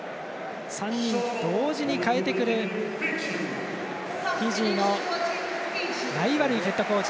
３人同時に代えてくるフィジーのライワルイヘッドコーチ。